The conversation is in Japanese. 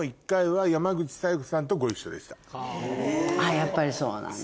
やっぱりそうなんだ。